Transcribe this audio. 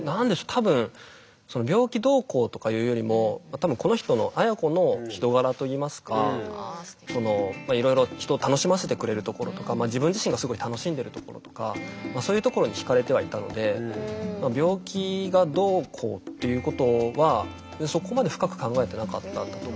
多分病気どうこうとかいうよりも多分この人の綾子の人柄といいますかいろいろ人楽しませてくれるところとか自分自身がすごい楽しんでるところとかそういうところに惹かれてはいたので病気がどうこうっていうことはそこまで深く考えてなかったんだと思います。